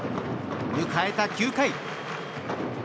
迎えた９回。